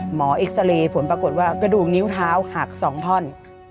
เอ็กซาเรย์ผลปรากฏว่ากระดูกนิ้วเท้าหัก๒ท่อน